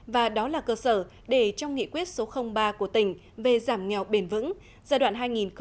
và đó là cơ sở để trong nghị quyết số ba của tỉnh về giảm nghèo bền vững giai đoạn hai nghìn một mươi sáu hai nghìn hai mươi